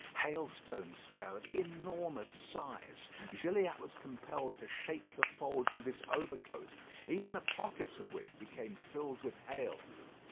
Hailstones fell of enormous size. Gilliatt was compelled to shake the folds of his overcoat, even the pockets of which became filled with hail.